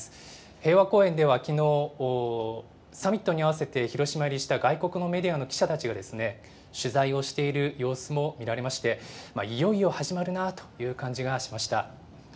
平和公園ではきのう、サミットに合わせて広島入りした外国のメディアの記者たちが、取材をしている様子も見られまして、いよいよ始まるなという感じがしました。